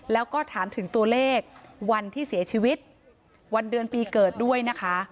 แล้วก็ถามถึงตัวเลขวันที่เสียชีวิตวันเดือนปีเกิดด้วยนะคะ